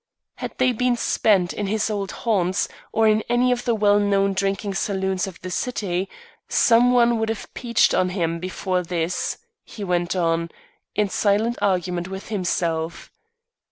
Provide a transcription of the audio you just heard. "Had they been spent in his old haunts or in any of the well known drinking saloons of the city, some one would have peached on him before this," he went on, in silent argument with himself.